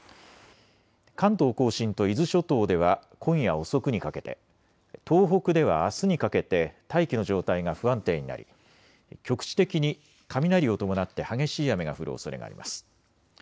関東甲信と伊豆諸島では今夜遅くにかけて、東北ではあすにかけて大気の状態が不安定になり局地的に雷を伴って激しい雨が降るおそれがあります。